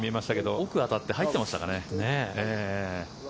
奥に当たって入っていましたかね。